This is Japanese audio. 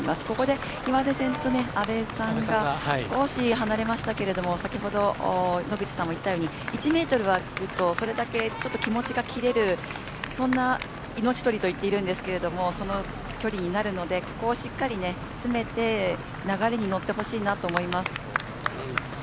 ここで岩出さんと阿部さんが少し離れましたけれども先ほど、野口さんも言ったように１ｍあくとそれだけ気持ちが切れるそんな命取りと言っているんですけどその距離になるのでここをしっかり詰めて流れに乗ってほしいなと思います。